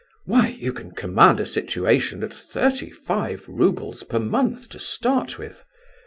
Why, you can command a situation at thirty five roubles per month to start with.